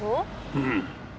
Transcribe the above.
うん。